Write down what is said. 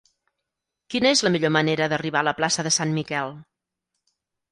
Quina és la millor manera d'arribar a la plaça de Sant Miquel?